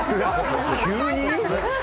急に？